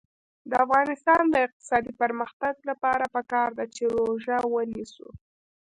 د افغانستان د اقتصادي پرمختګ لپاره پکار ده چې روژه ونیسو.